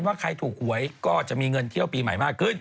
ว่าใครถูกหวยก็จะมีเงินเที่ยวปีใหม่มากขึ้น